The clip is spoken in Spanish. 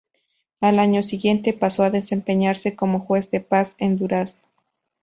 Al año siguiente pasó a desempeñarse como Juez de Paz en Durazno.